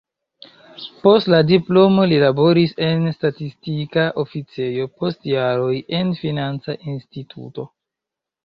Post la diplomo li laboris en statistika oficejo, post jaroj en financa instituto.